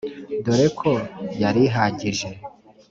dore ko yari ihagije